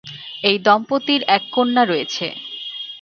এই দম্পতির এক কন্যা রয়েছে।